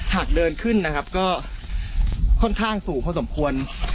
หากเดินขึ้นนะครับก็ค่อนข้างสูงพอสมควร